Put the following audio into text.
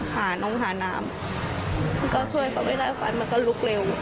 ห่านอย่างหาน้ำก็กลัวจะไม่ได้ฟันก็รูปเร็ว